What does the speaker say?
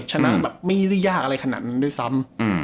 ชนะแบบไม่ได้ยากอะไรขนาดนั้นด้วยซ้ำ